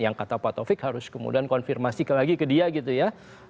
yang kata pak taufik harus kemudian konfirmasi lagi ke dia gitu ya